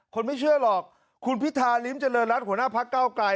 ไม่เชื่อหรอกคุณพิธาริมเจริญรัฐหัวหน้าพักเก้าไกล